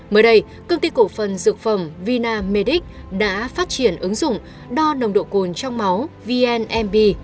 mới đây công ty cổ phần dược phẩm vinamedic đã phát triển ứng dụng đo nồng độ cồn trong máu vnmb